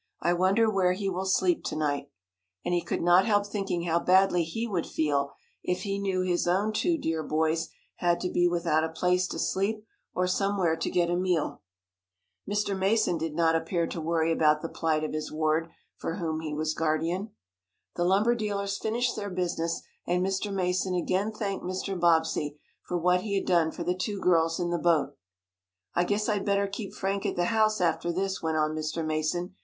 I wonder where he will sleep to night?" And he could not help thinking how badly he would feel if he knew his own two dear boys had to be without a place to sleep, or somewhere to get a meal. Mr. Mason did not appear to worry about the plight of his ward, for whom he was guardian. The lumber dealers finished their business and Mr. Mason again thanked Mr. Bobbsey for what he had done for the two girls in the boat. "I guess I'd better keep Frank at the house after this," went on Mr. Mason.